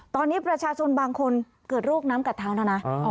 ตอนนี้ประชาชนบางคนเกิดโรคน้ำกัดเท้าแล้วนะ